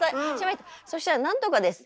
そしたら「なんとかです」